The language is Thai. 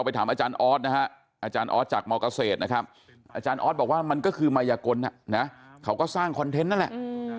ไปถามอาจารย์ออสจากมเกษฐอาจารย์ออสบอกว่ามันก็คือมายกลเค้าก็สร้างคอนเทนท์นั่นแหละ